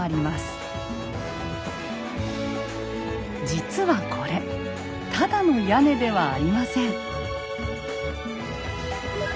実はこれただの屋根ではありません。